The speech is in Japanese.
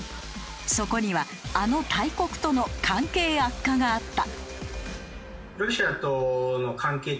そこにはあの大国との関係悪化があった。